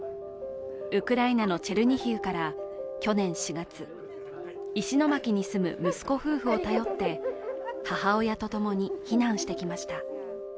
ウクライナのチェルニヒウから去年４月、石巻に住む息子夫婦を頼って母親と共に避難してきました。